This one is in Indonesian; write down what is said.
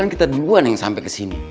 kan kita duluan yang sampe kesini